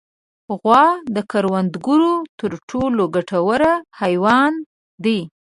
غوا د کروندګرو تر ټولو ګټور حیوان دی.